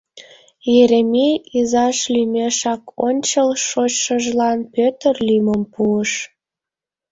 Еремей изаж лӱмешак ончыл шочшыжлан Пӧтыр лӱмым пуыш.